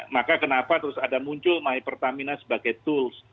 maka kenapa terus ada muncul my pertamina sebagai tools